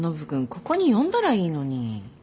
ここに呼んだらいいのに。